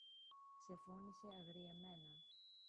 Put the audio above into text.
ξεφώνισε αγριεμένα